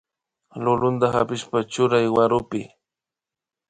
Lulunta pakishpa churay warukpi